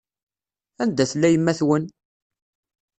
Anda tella yemma-twen?